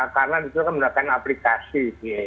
karena itu kan menggunakan aplikasi